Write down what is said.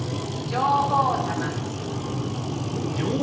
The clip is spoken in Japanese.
「女王様」。